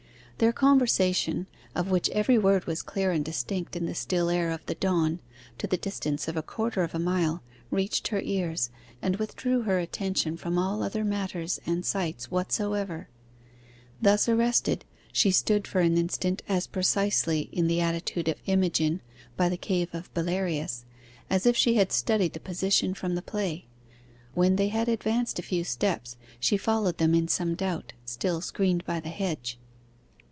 Their conversation, of which every word was clear and distinct, in the still air of the dawn, to the distance of a quarter of a mile, reached her ears, and withdrew her attention from all other matters and sights whatsoever. Thus arrested she stood for an instant as precisely in the attitude of Imogen by the cave of Belarius, as if she had studied the position from the play. When they had advanced a few steps, she followed them in some doubt, still screened by the hedge.